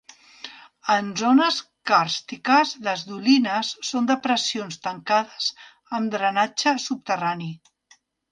En zones càrstiques, les dolines són depressions tancades amb drenatge subterrani.